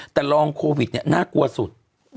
แต่ลองโควิดเนี่ยน่ากลัวสุด